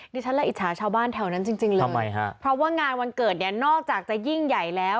ดิฉันและอิจฉาชาวบ้านแถวนั้นจริงเลยทำไมฮะเพราะว่างานวันเกิดเนี่ยนอกจากจะยิ่งใหญ่แล้ว